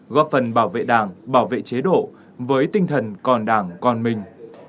góp phần bảo vệ đảng bảo vệ chế độ với tinh thần còn đảng còn mình